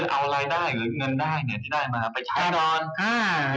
ว่าเวลาการไปออมเงิน